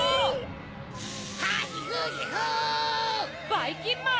ばいきんまん！